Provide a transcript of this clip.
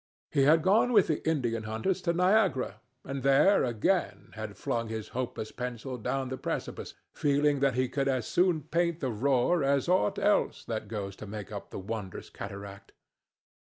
He had gone with the Indian hunters to Niagara, and there, again, had flung his hopeless pencil down the precipice, feeling that he could as soon paint the roar as aught else that goes to make up the wondrous cataract.